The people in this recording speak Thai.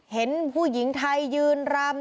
เห็นผู้หญิงไทยยืนรำ